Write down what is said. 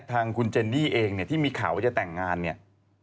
ทางคุณเจนนี่เองเนี่ยที่มีข่าวว่าจะแต่งงานเนี่ย